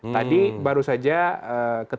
tadi baru saja ketemu